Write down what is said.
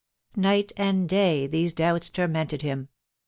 Night and day these doubts tormented him.